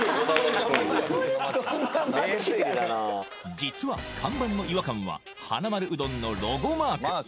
実は看板の違和感ははなまるうどんのロゴマーク